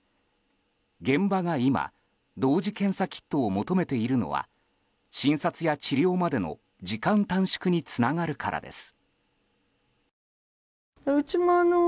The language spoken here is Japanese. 現場が今同時検査キットを求めているのは診察や治療までの時間短縮につながるからです。